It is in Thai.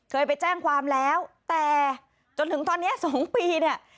เคยไปแจ้งความแล้วแต่จนถึงตอนนี้๒ปีเนี่ย